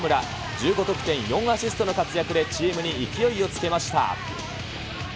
１５得点４アシストの活躍でチームに勢いをつけました。